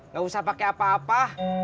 gak usah pakai apa apa